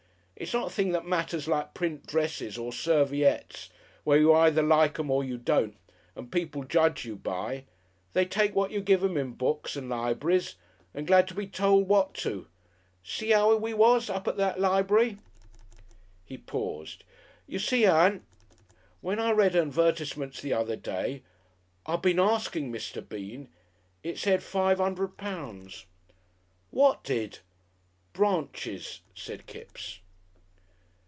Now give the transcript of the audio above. It's not a thing that matters like print dresses or serviettes where you either like 'em or don't, and people judge you by. They take what you give 'em in books and lib'ries, and glad to be told what to. See 'ow we was up at that lib'ry."... He paused. "You see, Ann "Well, I read 'n 'dvertisement the other day. I been asking Mr. Bean. It said five 'undred pounds." "What did?" "Branches," said Kipps.